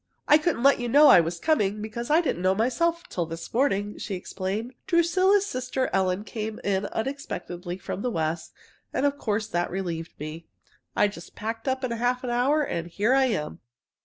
"I couldn't let you know I was coming, because I didn't know myself till this morning," she explained. "Drusilla's sister Ellen came in unexpectedly from the West, and of course that relieved me. I just packed up in half an hour, and here I am.